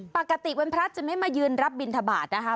ปกติวันพระจะไม่มายืนรับบินทบาทนะคะ